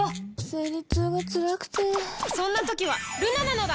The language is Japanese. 生理痛がつらくてそんな時はルナなのだ！